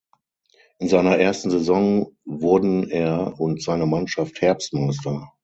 In seiner ersten Saison wurden er und seine Mannschaft Herbstmeister.